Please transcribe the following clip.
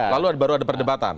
lalu baru ada perdebatan